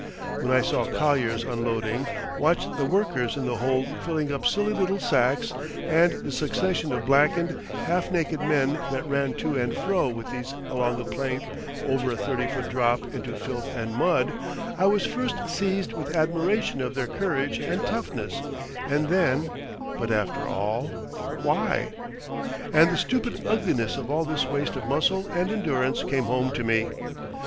When I saw colliers unloading, watched the workers in the hold filling up silly little sacks and the succession of blackened, half naked men that ran to and fro with these along a plank over a thirty foot drop into filth and mud, I was first seized with admiration of their courage and toughness and then, "But after all, why—?" and the stupid ugliness of all this waste of muscle and endurance came home to me.